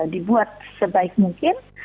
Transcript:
dibuat sebaik mungkin